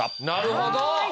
なるほど！